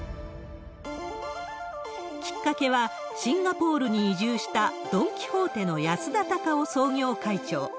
きっかけは、シンガポールに移住したドン・キホーテの安田隆夫創業会長。